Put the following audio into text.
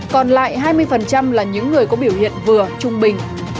còn lại hai mươi là những người có biểu hiện vừa trung bình